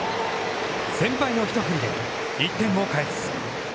先輩の一振りで１点を返す。